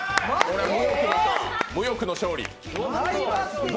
無欲の勝利。